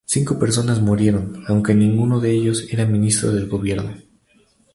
Cinco personas murieron, aunque ninguno de ellos eran ministros del gobierno.